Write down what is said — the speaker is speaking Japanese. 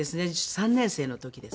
３年生の時ですね。